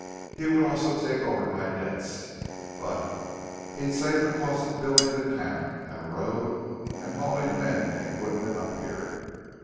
He would also take over my debts, but he'd save the cost of building the camp and a road and hauling men and equipment up here."